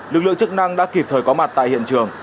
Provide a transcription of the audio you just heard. lực lượng chức năng đã kịp thời có mặt tại hiện trường